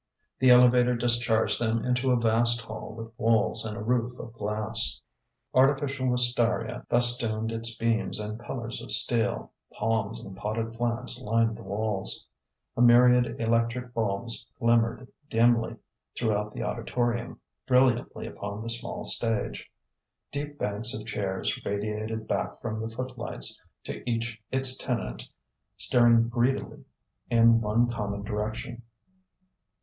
The elevator discharged them into a vast hall with walls and a roof of glass. Artificial wistaria festooned its beams and pillars of steel, palms and potted plants lined the walls. A myriad electric bulbs glimmered dimly throughout the auditorium, brilliantly upon the small stage. Deep banks of chairs radiated back from the footlights, to each its tenant staring greedily in one common direction.